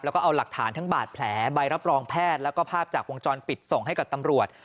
แล้วก็เอาหลักฐานทั้งบาดแผลใบรับรองแพทย์แล้วก็ภาพจากวงจรปิดส่งให้กับตำรวจ